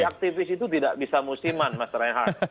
jadi aktivis itu tidak bisa musiman mas raihan